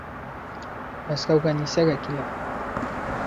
Мәскәүгә нисәгә килә?